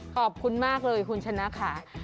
ขอบคุณมากเลยคุณชนะค่ะ